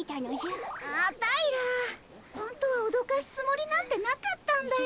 アタイらほんとはおどかすつもりなんてなかったんだよ。